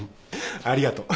ありがとう。